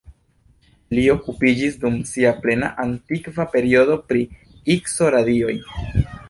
Li okupiĝis dum sia plena aktiva periodo pri Ikso-radioj.